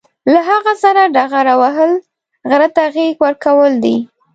له هغه سره ډغره وهل، غره ته غېږ ورکول دي.